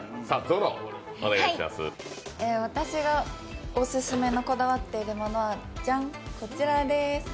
私がオススメのこだわっているものはジャンこちらです。